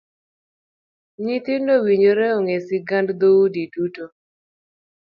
Nyithindo owinjore ong'e sigand dhoudi duto.